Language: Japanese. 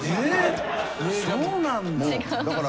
えっそうなんだ。